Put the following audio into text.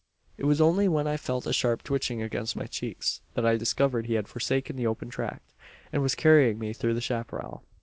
It was only when I felt a sharp twitching against my cheeks, that I discovered he had forsaken the open tract, and was carrying me through the chapparal.